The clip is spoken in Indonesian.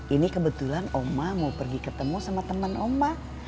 ini kebetulan oma mau pergi ketemu sama teman oma